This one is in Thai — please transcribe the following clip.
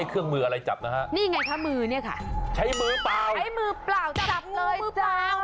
คุณชิสาครับ